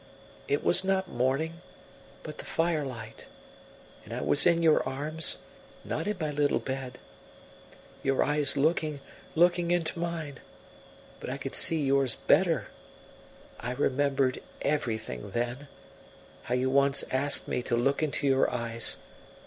It was not morning, but the firelight, and I was in your arms, not in my little bed. Your eyes looking, looking into mine. But I could see yours better. I remembered everything then, how you once asked me to look into your eyes.